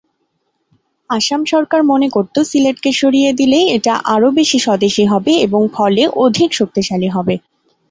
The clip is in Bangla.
আসাম সরকার মনে করত সিলেট কে সরিয়ে দিলে এটা আরো বেশি স্বদেশী হবে এবং ফলে অধিক শক্তিশালী হবে।